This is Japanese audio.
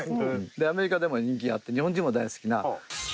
アメリカでも人気があって日本人も大好きな。